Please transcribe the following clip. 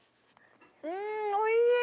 うんおいしい！